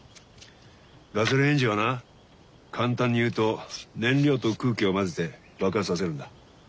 ガソリンエンジンはな簡単に言うと燃料と空気を混ぜて爆発させるんだ。